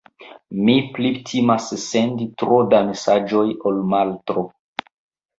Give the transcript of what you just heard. Mi pli timas sendi tro da mesaĝoj ol maltro.